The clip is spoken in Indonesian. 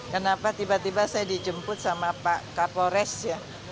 kenapa tiba tiba saya dijemput sama pak kapolres ya